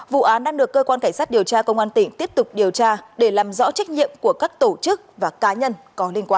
vụ án đang được cơ quan cảnh sát điều tra công an tỉnh tiếp tục điều tra để làm rõ trách nhiệm của các tổ chức và cá nhân có liên quan